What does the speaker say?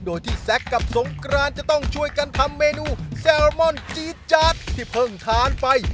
โดยที่แซคกับสงกรานจะต้องช่วยกันทำเมนูแซลมอนจี๊ดจัดที่เพิ่งทานไป